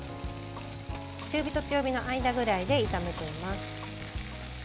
中火と強火の間くらいで炒めています。